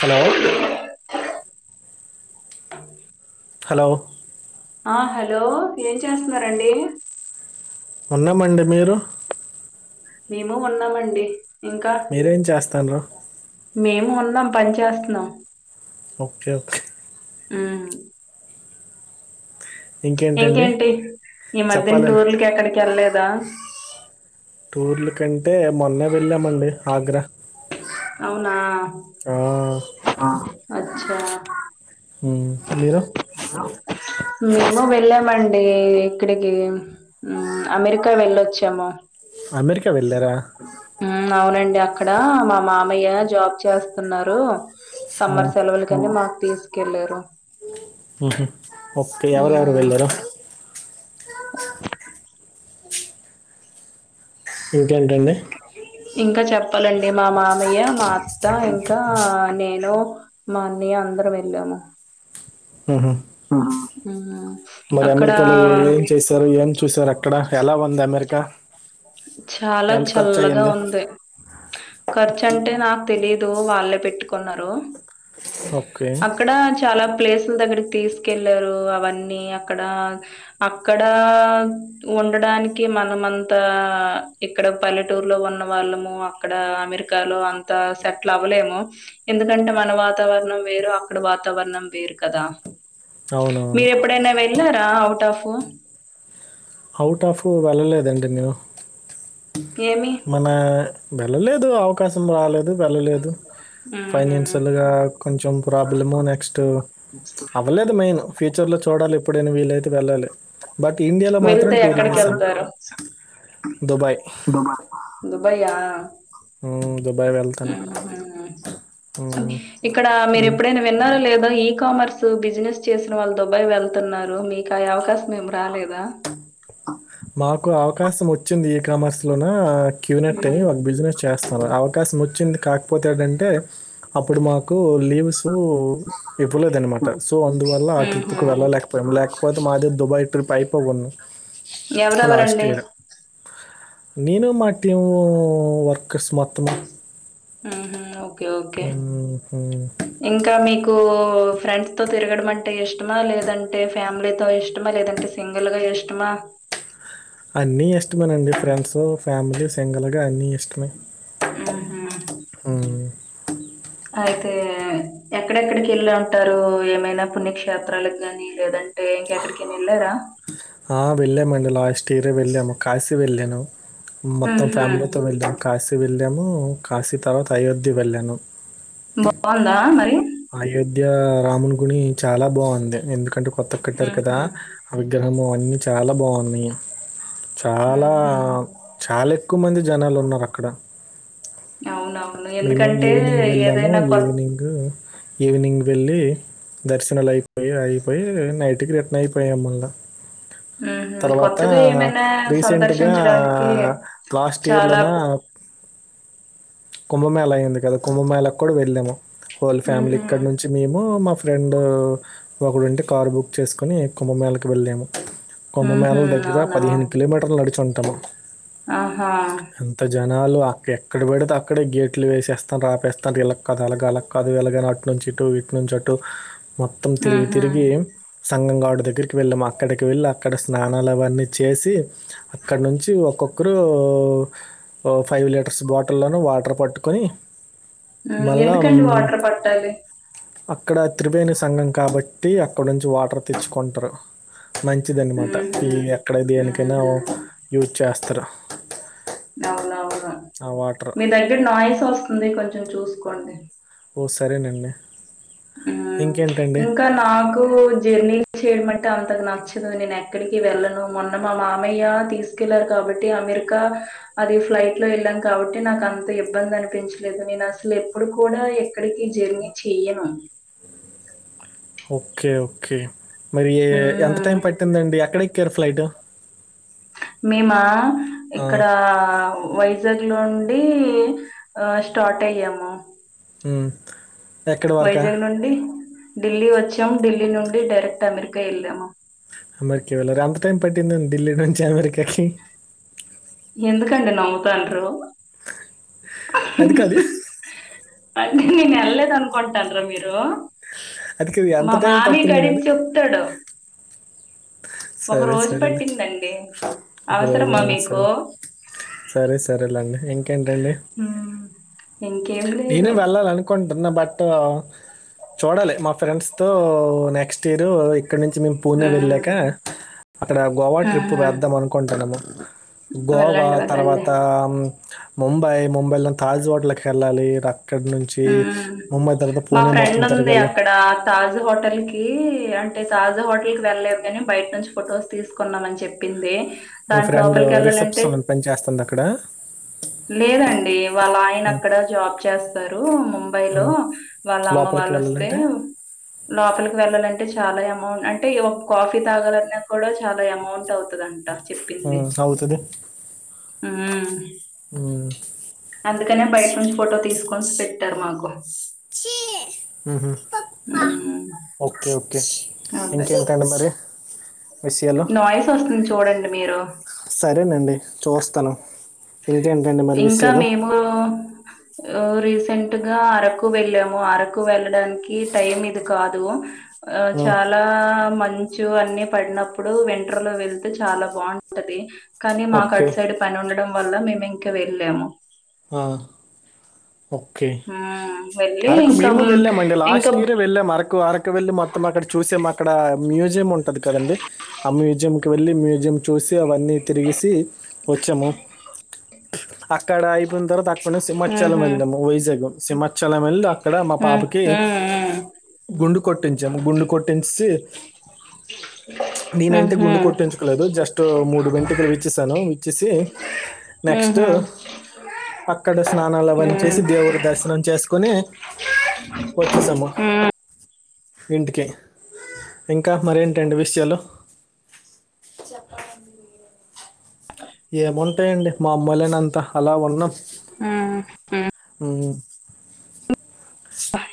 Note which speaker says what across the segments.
Speaker 1: Hello hello
Speaker 2: ఆ hello ఏం చేస్తున్నండి
Speaker 1: ఉన్నామండి మీరు
Speaker 2: మేము ఉన్నామండి ఇంకా
Speaker 1: మీరేం చేస్తాన్రు
Speaker 2: మేము ఉన్నాం పని చేస్తున్నాం
Speaker 1: ఓకే ఓకే
Speaker 2: ఆ
Speaker 1: ఇంకేంటండి
Speaker 2: ఇంకేంటి ఈ మధ్యన
Speaker 1: చెప్పాలండి
Speaker 2: టూర్లకి ఎక్కడికి వెళ్లేదా
Speaker 1: టూర్ల కంటే మొన్నే వెళ్ళామండి ఆగ్రా
Speaker 2: అవునా
Speaker 1: ఆ,
Speaker 2: అచ్చా
Speaker 1: హ మీరు
Speaker 2: అ మేము వెళ్ళామండి ఇక్కడికి అమెరికా వెళ్ళొచ్చాము
Speaker 1: అమెరిక్
Speaker 2: ఉ అవునండి అక్కడ మా మామయ్య జాబ్ చేస్తన్నారు
Speaker 1: ఆ,
Speaker 2: సమ్మర్ సెలవులు కనీ మాకు తీసుకెళ్ళరు
Speaker 1: ఉహు ఓకే ఎవరెవరు వెల్లారు
Speaker 2: అ
Speaker 1: ఇంకేంటండి
Speaker 2: ఇంకా చెప్పాలండి మా మామయ్య మా అత్తా ఇంకా నేను మాన్య అందరం ఎళ్లాము
Speaker 1: ఉహు
Speaker 2: మ్మ్
Speaker 1: మరి
Speaker 2: అక్కడ
Speaker 1: అమెరికాలో ఏం చేశారు ఏం చూశారు అక్కడ ఎలా ఉంది అమెరికా
Speaker 2: చాలా
Speaker 1: ఎంత ఖర్చు
Speaker 2: చల్లగా
Speaker 1: అయ్యింది
Speaker 2: ఉంది ఖర్చు అంటే నాకు తెలీదు వాళ్ళే పెట్టుకున్నారు
Speaker 1: ఓకే
Speaker 2: అక్కడ చాలా ప్లేసుల దగ్గరికి తీసుకెళ్ళారు అవన్నీ అక్కడ అక్కడా ఉండడానికి మనమ అంత ఆ ఇక్కడ పల్లెటూరులో ఉన్న వాళ్ళము అక్కడ అమెరికాలో అంత సెట్ల అవ్వలేము ఎందుకంటే మన వాతావరణం వేరు అక్కడ వాతావరణం వేరు కదా
Speaker 1: అవునవును
Speaker 2: మీర ఎప్పుడైనా వెళ్ళారా అవుట్ ఆఫ్
Speaker 1: అవుట్ ఆఫ్ వెళ్ళలేదండి నీవు
Speaker 2: ఏమి
Speaker 1: మన వెళ్ళలేదు అవకాశం రాలేదు వెళ్ళలేదు
Speaker 2: హుహు.
Speaker 1: ఫైనాన్షియల్గా కొంచెం ప్రాబ్లము నెక్స్ట్ అవ్వలేదు మెయిన్ ఫ్యూచర్లో చూడాలి ఎప్పుడైనా వీళ్లైతే వెళ్ళాలి బట్ ఇండియాలో మాత్
Speaker 2: తే ఎక్కడికి వెళ్తారు
Speaker 1: దుబాయ్
Speaker 2: దుబయ్యా
Speaker 1: ఉమ్, దుబాయ్ వెళ్తాను
Speaker 2: ఉహు
Speaker 1: ఉమ్,
Speaker 2: ఇక్కడ మీరు
Speaker 1: ఈ-
Speaker 2: ఎప్పుడైనా విన్నారో లేదా ఈ కామర్స్ బిజినెస్ చేసిన వాళ్ళు దుబాయి వెళ్తున్నారు మీకు అవకాశం ఏం రాలేదు అ
Speaker 1: మాకు అవకాశం వచ్చింది ఈ కామర్స్ లోన క్యూనెట్ అని
Speaker 2: హ్మ్.
Speaker 1: ఒక బిజినెస్ చేస్త అవకాశం వచ్చింది కాకపోతే ఏంటంటే అప్పుడు మాకు లీవ్స్ సో ఇప్పులేదనమాట సో అందువల్ల ఆ
Speaker 2: హుహు.
Speaker 1: ట్రిప్కు వెళ్ళలేక మ లేకపోతే మాదే దుబాయ్ ట్రిప్ అయిపోవును లాస్ట్
Speaker 2: ఎవరెవరండి?
Speaker 1: ఇయర్ నేను మాటీమూ వర్కర్స్ మొత్తము
Speaker 2: ఉహు ఓకే ఓకే ఇంకా మీకు ఫ్రెండ్స్ తో తిరగడం అంటే ఇష్టమా లేదంటే ఫ్యామిలీతో ఇష్టమా లేదంటే సింగల్గా ఎషమా
Speaker 1: అన్నీ ఇష్టమే అండి ఫ్రెండ్స్ ఫ్యామిలీ సింగల్గా అన్ని ఇష్టమే
Speaker 2: హుహు.
Speaker 1: ఉ
Speaker 2: అయితే ఎక్కడెక్కడికి వెళ్ళి ఉంటారు ఏమైనా పుణ్యక్షేత్రాలకు గాని లేదం టే ఇంకక్కడికైన ఎళ్లార
Speaker 1: ఆ వెళ్ళామండి లాస్ట్ ఇయరే వెళ్ళాము కాశీ వెళ్ళాను మొత్తం
Speaker 2: హుహు.
Speaker 1: ఫ్యామిలీతో వెళ్ళం కాశీ వెళ్ళాము కాశీ తర్వాత అయోద్ధ్య వెళ్ళా
Speaker 2: బాగుందా మరి
Speaker 1: అయోధ్య రామున్ గుని చాలా బాగుంది ఎందుకంటే కొత్త కట్టారు కదా
Speaker 2: హుహు.
Speaker 1: విగ్రహము అవన్నీ చాలా బావున్నాయి చాలా
Speaker 2: ఉహు
Speaker 1: చాలా ఎక్కువ మంది జనాలు ఉన్నారు అక్కడ
Speaker 2: అవునవును
Speaker 1: మేము
Speaker 2: ఎందుకంటే
Speaker 1: ఈవినింగ్ వెళ్ళాము
Speaker 2: ఏదైనా కొత్
Speaker 1: ఈవినింగ్ ఈవినింగ్ వెళ్ళి దర్శనాలు అయిపోయి అయిపోయి నైటుకి రిటన్ అయిపోయాం మల్లా
Speaker 2: ఉహు
Speaker 1: తర్వాత
Speaker 2: కొత్తగా ఏమైనా
Speaker 1: రీసెంట్గా
Speaker 2: సందర్శించడానికి
Speaker 1: లాస్ట్ ఇయర్
Speaker 2: చాలా
Speaker 1: లోన కుంభమేళా అయ్యింది కదా కుంభమేళా కు కూడా వెళ్ళాము
Speaker 2: ఊహూ
Speaker 1: ఉంచి మేము మా ఫ్రెండ్ ఒకడుంటే కారు బుక్ చేసుకొని కుంభమేళాకు వెళ్ళాము కొంభమేళా
Speaker 2: ఉహు
Speaker 1: ల దగ్గర
Speaker 2: అవునా
Speaker 1: పదిహేను కిలోమీటర్లు నడిచుంటాము
Speaker 2: ఆహా
Speaker 1: ఎంత జనాలు అక్ ఎక్కడ పెడితే అక్కడే గేట్లు వేసేస్తారు ఆపేస్తారు ఇలక్ కాదు అలాగ అలా కాదు అది వెళ్లగానే అటు నుంచి ఇటు ఇటు నుంచి అటు మొత్తం తిరిగి
Speaker 2: ఉహు
Speaker 1: తిరిగి సంఘం ఘాట్ దగ్గరికి వెళ్ళాము అక్కడికి వెళ్ళి అక్కడ స్నానాలు అవన్నీ చేసి అక్కడ నుంచి ఒక్కొక్కరు ఓం ఫైవ్ లీటర్స్ బాటిల్లోను వాటర్ పట్టుకొని
Speaker 2: ఉమ్
Speaker 1: మళ్ళా
Speaker 2: ఎందుకండి
Speaker 1: మ్,
Speaker 2: వాటర్ పట్టాలి
Speaker 1: అక్కడ త్రివేణి సంఘం కాబట్టి అక్కడ నుంచి వాటర్ తెచ్చుకుంటారు మంచిది అనిమాట
Speaker 2: ఉహు
Speaker 1: ఈ ఎక్కడ దేనికైనా
Speaker 2: ఉహు
Speaker 1: యూజ్ చేస్తారు
Speaker 2: నవునవునా
Speaker 1: ఆ వాటరు
Speaker 2: రే నాయిస్ వస్తుంది కొంచెం చూసుకోండి
Speaker 1: ఓ సరేనండి
Speaker 2: ఊ
Speaker 1: ఇంకేంటండి?
Speaker 2: ఇంకాన్ నాకు జర్నీ చేయమంటే అంతగా నచ్చదు నేను ఎక్కడికీ వెళ్ళను మొన్న మా మామయ్య తీస్ స్కెళ్లారు కాబట్టి అమెరికా అది ఫ్లైట్ లో వెళ్ళాం కాబట్టి నాకు అంత ఇబ్బంది అనిపించలేదు నేను అస్సలు ఎప్పుడు కూడా ఎక్ క్కడకీ ఈ జెర్నీ చెయ్యను
Speaker 1: ఓకే ఓకే మరి ఏ ఎంత
Speaker 2: హ్మ్.
Speaker 1: టైం పట్టిందండి ఎక్కడ ఎక్కారు ఫ్లైటు
Speaker 2: మేమా
Speaker 1: ఆ!
Speaker 2: ఇక్కడ వైజాగ్ లో ఉండి ఆ స్టార్ట్ అయ్యాము
Speaker 1: ఊ
Speaker 2: వైజాగ్ నుండి ఢిల్లీ వచ్చాము ఢిల్లీ నుండి డైరెక్ట్ అమెరికా ఎళ్ళాము
Speaker 1: అమెరికా వెళ్ళారు అంత టైం పట్టిందండి ఢిల్లీ నుంచి అమెరికాకి
Speaker 2: ఎందుకండి నవ్వుతాండ్రు
Speaker 1: అది కాదు
Speaker 2: అండి నేను ఎళ్ళలేదనుకుంటాండ్రా మీరు
Speaker 1: అది కాదు.
Speaker 2: మా
Speaker 1: ఎంత టైం
Speaker 2: మామయ్య
Speaker 1: పట్టిందనడు.
Speaker 2: కడించొ త్తడు ఒక
Speaker 1: సరే
Speaker 2: రోజు
Speaker 1: సరేలే.
Speaker 2: పట్టిందండి అవసరమా
Speaker 1: ఒకరోజా?
Speaker 2: మీకు
Speaker 1: సరే. సరే సరేలేండి ఇంకేంటండి
Speaker 2: ఉమ్ ఎంకేం లే
Speaker 1: నేనే వెళ్ళాలి అనుకుంటున్నా బట్ చూడాలి మా ఫ్రెండ్స్ తో నెక్స్ట్ ఇయరు ఇక్కడ నుంచి మేం పూణె
Speaker 2: హ్మ్.
Speaker 1: వెళ్ళాక అక్కడ గోవా ట్రిప్పు
Speaker 2: హ్మ్.
Speaker 1: వేద్దాం అనుకుంటున్నాము గోవా
Speaker 2: వెళ్ళండి. వెళ్ళండి.
Speaker 1: తర్వాత ముంబై ముంబైల తాజ్ హోటలలోకెళ్ళాలి రక్ ఇక్కడనుంచి
Speaker 2: హ్మ్.
Speaker 1: మమ్మయి తర్వాత పోనే మొత్తం తిరగాలి
Speaker 2: తాజా హోటల్కి అంటే తాజా హోటల్కి వెళ్ళలేవు కానీ బయట నుంచి ఫోటోస్ తీసుకు కొన్నామని చెప్పింది
Speaker 1: మీ ఫ్రెండ్
Speaker 2: దాంట్లోపలికెళ్ళాలంటే
Speaker 1: రిసెప్షన్ అ పని చేస్తుంది అక్కడ
Speaker 2: లేదండి వాళ్ళ ఆయన
Speaker 1: మ్,
Speaker 2: అక్కడ జాబ్ చేస్తారు ముంబైలో
Speaker 1: మ్.
Speaker 2: వాళ్ళ అమ్మ
Speaker 1: లోపలికి
Speaker 2: వాళ్ళు వస్తే
Speaker 1: వెళ్ళాలంటే
Speaker 2: లోపలికి వెళ్ళాలంటే చాలా అమౌంట్ అంటే ఒక కాఫీ తాగాలన్నా కూడా చాలా అమౌంట్ అవుతుంది అంట చెప్పింది
Speaker 1: మ్, అవుతుంది ఉ
Speaker 2: అందుకనే బయట నుంచి ఫోటో తీసుకొని పెట్టారు మాకు
Speaker 1: ఉహు
Speaker 2: హ్మ్.
Speaker 1: ఓకే ఓకే
Speaker 2: అదే.
Speaker 1: ఇంకెంటండి మరి విషయాలు
Speaker 2: నాయిస్ వస్తుంది చూడండి మీరు.
Speaker 1: సరేనండి చూస్తను ఇంకేంటండి మరి విషయాలు
Speaker 2: ఉ రీసెంట్గా అరకు వెళ్ళాము అరకు వెళ్ళడానికి టైం ఇది కాదు ఆ చాలా మంచు అన్ని పడినప్పు ప్పుడు వింటర్లో వెళ్తే చాలా బాగుంటది కానీ మాకు
Speaker 1: ఓకే
Speaker 2: అటు సైడ్ పని ఉండడం వల్ల మేము ఇంక వెళ్ళాము
Speaker 1: ఆ ఒక్కే
Speaker 2: హ్మ్. వెళ్ళి
Speaker 1: అరకు
Speaker 2: ఇంకా
Speaker 1: మేము
Speaker 2: హ్మ్.
Speaker 1: వెళ్ళామండి
Speaker 2: ఇంకా
Speaker 1: లాస్ట్ ఇయరె వెళ్ళాం అరకు అరకు ఇక్క వెళ్ళి మొత్తం అక్కడ చూసే అక్కడ మ్యూజియం ఉంటది కదండి ఆ మ్యూజియంకి వెళ్ళి మ్యూజియం చూసి అవన్నీ తిరిగేసి వచ్చాము అక్కడ అయిపోయిన తర్వాత అక్కడ సింహచ్చాలం
Speaker 2: హుహు.
Speaker 1: వెళినము వైజగ్ సింమా చాలం మెల్లి అక్కడ మా
Speaker 2: హ్మ్.
Speaker 1: పాపకి
Speaker 2: హ్మ్. హ్మ్.
Speaker 1: గుండు కొట్టించము గుండు కొట్టించించి
Speaker 2: ష్...
Speaker 1: నేనంటే గుండు కొట్టించుకోలేదు జస్ట్ మూడు వెంటకలు విచ్చిసాను విచ్చేసి నెక్స్ట్
Speaker 2: హుహు.
Speaker 1: అక్కడే స్నానాలవన్నీ చేసి
Speaker 2: హ్మ్.
Speaker 1: దేవుడు దర్శనం చేసుకొని వచ్చేసము
Speaker 2: హ్మ్.
Speaker 1: ఇంటికి ఇంకా మర ఏంటండీ విషయాలు చెప్పలండి మీరే ఏముంటాయండి మా మామూలే అంతా అలా ఉన్నాం
Speaker 2: ఆ హ
Speaker 1: ఉ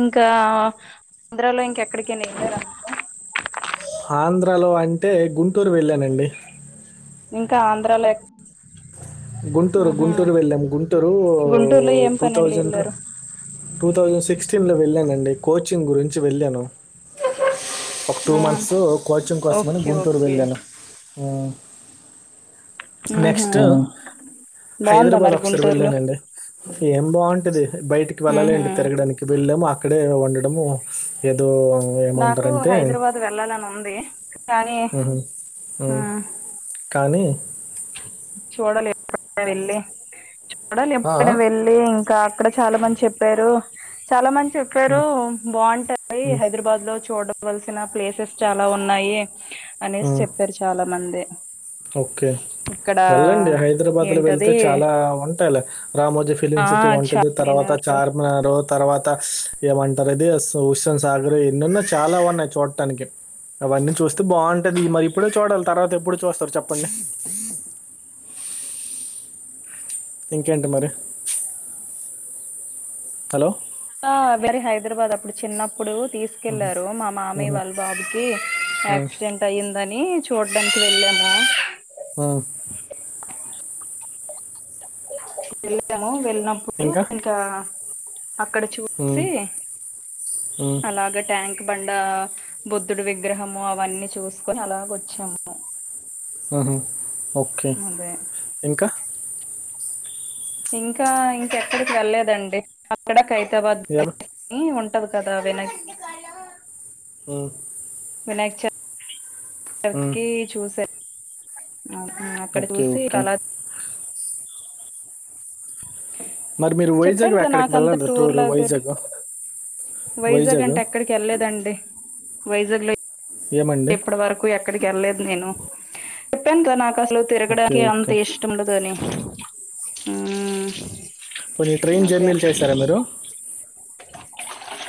Speaker 2: ఇంకా ఆంధ్రాలో ఇంకెక్కడికనా ఎళ్లారా
Speaker 1: ఆంధ్రలో అంటే గుంటూరు వెళ్ళానండి
Speaker 2: ఇంకా ఆంధ్రాలో ఏక్
Speaker 1: గుంటూరు గుంటూరు వెళ్ళాము గుంటూరు
Speaker 2: గుంటూరులో ఏం
Speaker 1: టూ
Speaker 2: పనండి
Speaker 1: థౌజండ్
Speaker 2: ఎల్లారు
Speaker 1: టూ థౌజండ్ సిక్స్టీన్లో వెళ్ళానండి కోచింగ్ గురించి వెళ్ళాను ఒక టూ
Speaker 2: ఆ
Speaker 1: మంత్స్ కోచింగ్ కోసమని
Speaker 2: ఓకే
Speaker 1: గుంటూరు
Speaker 2: ఓకే
Speaker 1: వెళ్ళాను ఉ
Speaker 2: ఉహు బాగుందా
Speaker 1: హైదరాబాద్
Speaker 2: మరి
Speaker 1: ఒకసారి
Speaker 2: గుంటూరులో
Speaker 1: వెళ్ళానండి ఏం బాగుంటది బయటికి
Speaker 2: ఉహు
Speaker 1: వెళ్ళలేండి తిరగడానికి వెళ్ళాము అక్కడే వండడము ఏదో
Speaker 2: నాకు
Speaker 1: ఏమంటారంటే
Speaker 2: హైదరాబాద్ వెళ్లాలని ఉంది కానీ
Speaker 1: ఉహు ఊ
Speaker 2: ఉమ్
Speaker 1: కానీ
Speaker 2: చూడాలి ఎప్పుడ వెళ్ళి చూడాలి
Speaker 1: ఆ,
Speaker 2: ఎప్పుడు వెళ్లీ ఇంకా అక్కడ చాలా మంది చెప్పారు చాలా మంది చెప్పారు
Speaker 1: ఉమ్,
Speaker 2: బాగుంటాయి
Speaker 1: ఉమ్,
Speaker 2: హైదరాబాద్ లో చూడవలసిన ప్లేసెస్ చాలా ఉన్నాయి అనేసి
Speaker 1: ఉమ్,
Speaker 2: చెప్పారు చాలా మంది
Speaker 1: ఓకే
Speaker 2: ఇక్కడ
Speaker 1: వెళ్ళండి హైదరాబాద్ లో వెళ్తే
Speaker 2: ఏంటది
Speaker 1: చాలా ఉంటాయిలా రామోజీ ఫిలిం
Speaker 2: ఆ
Speaker 1: సిటీ వంటిది తర్వాత
Speaker 2: చార్మినార్
Speaker 1: చార్ మినార్ తర్వాత ఏమంటారు ఇది హుసేన్ సాగర్ ఎన్నెన్నో చాలా ఉన్నాయి చూడటానికి అవన్నీ చూస్తే బాగుంటది మరి ఇప్పుడే చూడాలి తర్వాత ఎప్పుడు చూస్తారు చెప్పండి ఇంకేంటి మరి హలో
Speaker 2: ఆ [unintelligible] హైదరాబాద్ అప్పుడు చిన్న ఇప్పుడు తీసుకెళ్లారు మా మామయ్య
Speaker 1: మ్మ్.
Speaker 2: వాళ్ళ బాబుకి
Speaker 1: మ్మ్.
Speaker 2: యాక్సిడెంట్ అయ్యిందని చూడ్డానికి వెళ్ళాము
Speaker 1: ఆ
Speaker 2: వెళ్ళాము వెళ్ళినప్పుడు ఇంకా అక్కడ
Speaker 1: మ్మ్.
Speaker 2: చూసి
Speaker 1: మ్మ్.
Speaker 2: అలాగట్ ట్యాంక్ బండ బుద్ధుడు విగ్రహము అవన్నీ చూసుకొని అలాగ వచ్చాము
Speaker 1: అవునా ఓకే
Speaker 2: అదే
Speaker 1: ఇంకా
Speaker 2: ఇంకా ఇంకెక్కడికి వెళ్ళలేదండి అక్కడ ఖైరతబాద్
Speaker 1: ఇవాళ
Speaker 2: ఉంటది కదా వెనక్
Speaker 1: ఆ
Speaker 2: వినాయక
Speaker 1: మ్మ్.
Speaker 2: చవితికి చూసా ఆ అక్కడ
Speaker 1: ఓకే
Speaker 2: చూసి
Speaker 1: ఓకే
Speaker 2: అలా కలర్
Speaker 1: మరి మీరు వైజాగ్
Speaker 2: చెప్పాను కదా
Speaker 1: ఎక్కడికి
Speaker 2: నాకు అంత
Speaker 1: వెళ్ళండి టూరు
Speaker 2: టూర్లో తిరు
Speaker 1: వైజాగ్
Speaker 2: వైజాగ్ అంటే ఎక్కడికి వెళ్ళలేదండి వైజాగ్ లో
Speaker 1: ఏమండీ
Speaker 2: ఇప్పటి వరకు ఎక్కడికి వెళ్లేదు నేను చెప్పాను కదా నాకు అసలు
Speaker 1: ఓకే
Speaker 2: తిరగడానికి అంత
Speaker 1: ఓకే
Speaker 2: ఇష్టం ఇష్టం ఉండదు అనే
Speaker 1: కొన్ని ట్రైన్ జర్నీలు చేసరా మీరు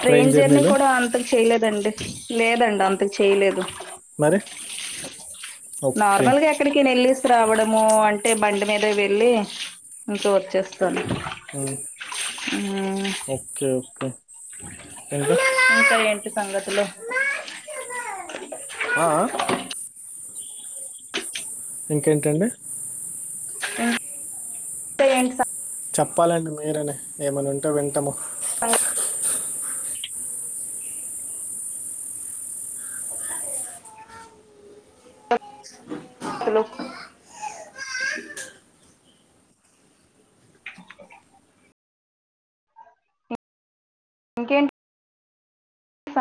Speaker 2: ట్రైన్ జర్నీ కూడా అంతకు చేయలేదండి లేదండి అంతకు చేయలేదు
Speaker 1: మరి ఓకే
Speaker 2: నార్మల్గా ఎక్కడికైన వెళ్ళసి రావడము అంటే బండి మీద వెళ్ళి ఇంకా వచ్చేస్త
Speaker 1: ఆ
Speaker 2: మ్మ్.
Speaker 1: ఓకే ఓకే ఇంకా
Speaker 2: ఇంకా ఏంటి సంగతులు
Speaker 1: ఆ ఆ ఇంకేంటండి
Speaker 2: [inaudible]
Speaker 1: చెప్పాలండి మీరని ఏమనా ఉంటే వింటాము
Speaker 2: [inaudible] హలో [inaudible] ఇంకేంటి